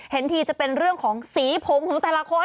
เห็นทีจะเป็นเรื่องของสีผมของแต่ละคน